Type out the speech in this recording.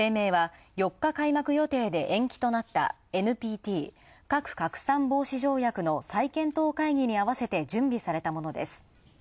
声明は４日開幕予定で延期となったＮＰＴ＝核拡散防止条約の再検討会議にあわせて準備されたものです。